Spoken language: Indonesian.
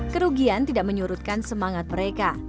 kerugian tidak menyurutkan semangat mereka